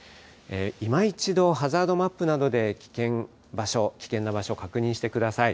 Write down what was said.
いま一度、ハザードマップなどで危険な場所を確認してください。